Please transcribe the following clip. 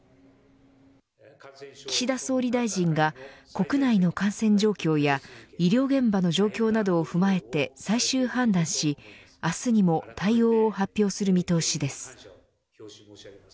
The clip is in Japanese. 岸田総理大臣が国内の感染状況や医療現場の状況などを踏まえて最終判断し明日にも対応を発表する見通しです。